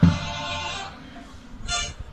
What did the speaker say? د ترانسپورت ستونزي په بشپړه توګه حل سوي نه دي.